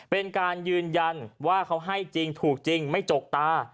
เป็นการยืนยันว่าเขาให้จริงถูกจริงไม่จกตา